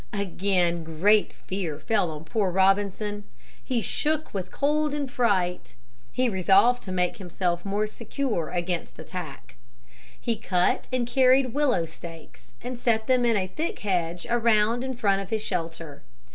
Again great fear fell on poor Robinson. He shook with cold and fright. He resolved to make himself more secure against attack. He cut and carried willow stakes and set them in a thick hedge around in front of his shelter.